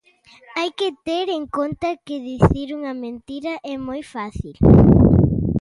Hai que ter en conta que dicir unha mentira é moi fácil.